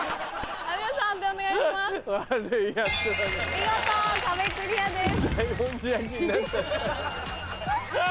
見事壁クリアです。